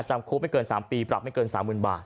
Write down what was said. จำคุกไม่เกิน๓ปีปรับไม่เกิน๓๐๐๐บาท